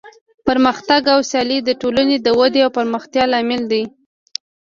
پرمختګ او سیالي د ټولنې د ودې او پرمختیا لامل دی.